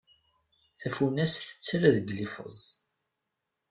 Tafunast tettarra deg liffeẓ.